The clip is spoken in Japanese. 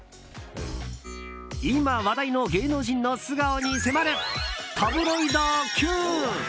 今、話題の芸能人の素顔に迫るタブロイドＱ！